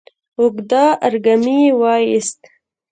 اوږد ارږمی يې وايست،